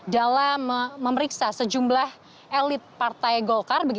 dalam memeriksa sejumlah elit partai golkar